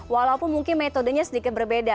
walaupun mungkin metodenya sedikit berbeda